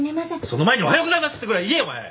その前におはようございますってぐらい言えお前！